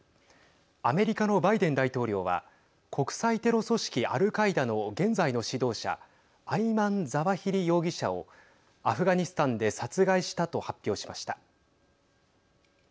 アメリカのバイデン大統領は国際テロ組織アルカイダの現在の指導者アイマン・ザワヒリ容疑者をアフガニスタンで殺害したと発表しました。